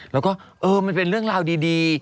แล้วก็เออมันเป็นเรื่องราวดี